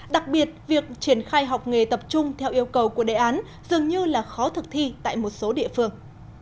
đặc biệt việc triển khai học nghề tập trung theo yêu cầu của đề án dường như là khó thực thi tại một số địa phương